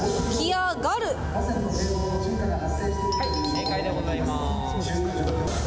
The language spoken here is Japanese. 正解でございます。